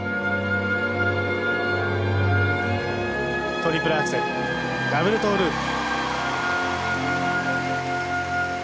トリプルアクセルダブルトウループ。